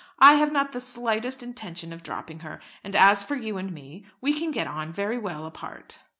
"I have not the slightest intention of dropping her. And as for you and me, we can get on very well apart."